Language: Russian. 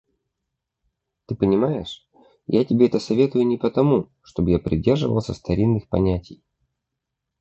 Ты понимаешь, я тебе это советую не потому, чтоб я придерживался старинных понятий.